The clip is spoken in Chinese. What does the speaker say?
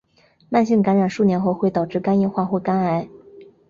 慢性感染数年后会导致肝硬化或肝癌。